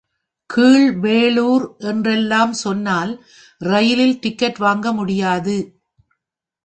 கீழ்வேளூர் என்றெல்லாம் சொன்னால் ரயிலில் டிக்கெட் வாங்க முடியாது.